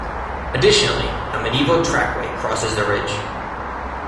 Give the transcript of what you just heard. Additionally, a medieval trackway crosses the ridge.